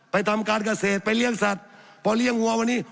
ทำการเกษตรไปเลี้ยงสัตว์พอเลี้ยงวัววันนี้